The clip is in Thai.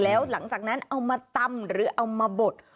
แล้วหลังจากนั้นเอามาตำหรือเอามาบด